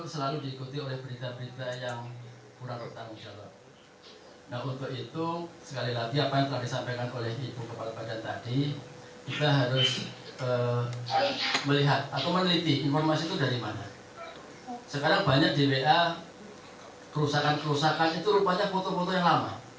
sekarang banyak di wa kerusakan kerusakan itu rupanya foto foto yang lama